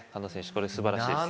これ素晴らしいです